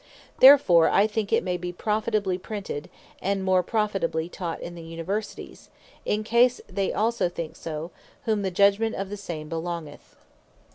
Therefore I think it may be profitably printed, and more profitably taught in the Universities, in case they also think so, to whom the judgment of the same belongeth.